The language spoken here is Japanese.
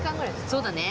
そうだね。